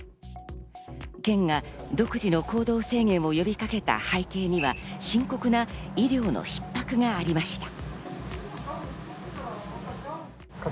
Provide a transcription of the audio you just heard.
県が独自の行動制限を呼びかけた背景には深刻な医療のひっ迫がありました。